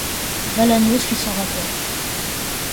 Valagnos fit son rapport.